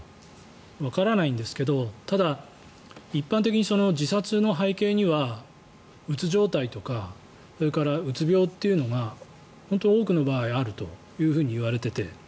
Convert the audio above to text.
わからないんですがただ、一般的に自殺の背景にはうつ状態とかうつ病というのが本当に多くの場合はあるといわれていて。